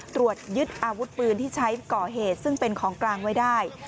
ตรวจยึดอาวุธปืนที่ใช้ก่อเหตุซึ่งเป็นของกลางไว้ได้